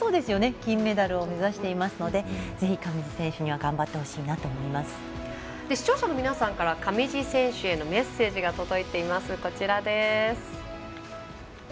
金メダルを目指しているのでぜひ、上地選手には視聴者の皆さんから上地選手へのメッセージが届いています、こちらです。